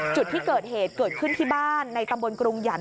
จุดที่เกิดเหตุเกิดขึ้นที่บ้านในตำบลกรุงหยัน